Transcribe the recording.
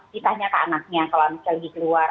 ditanyakan anaknya kalau misalnya lagi keluar